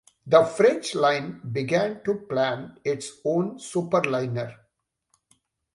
The French Line began to plan its own superliner.